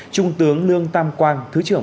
trung tướng lương tam quang thứ trưởng